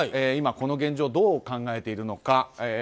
今、この現状をどう考えているのか。